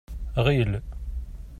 Ɣil.